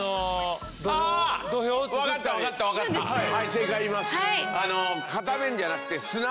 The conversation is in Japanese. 正解言います！